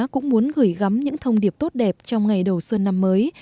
cũng muốn gửi gắm những thông điệp tốt đẹp trong ngày đầu xuân năm mới